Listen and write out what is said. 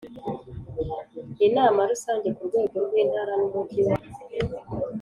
Inama Rusange ku rwego rw Intara n Umujyi wa